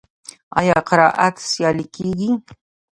آیا قرائت سیالۍ کیږي؟